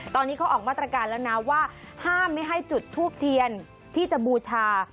ตอนนี้เขาออกมาตรการแล้วนะว่าห้ามไม่ให้จุดทูบเทียนที่จะบูชา